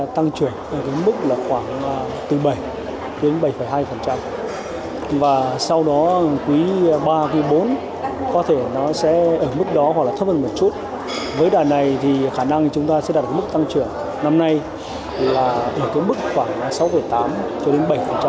tăng trưởng ở mức khoảng từ bảy đến bảy hai và sau đó q ba q bốn có thể nó sẽ ở mức đó hoặc là thấp hơn một chút với đàn này thì khả năng chúng ta sẽ đạt được mức tăng trưởng năm nay là ở mức khoảng sáu tám cho đến bảy